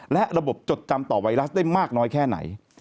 และระบบจดจำต่อไวรัสได้มากน้อยแค่ไหน